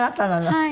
はい。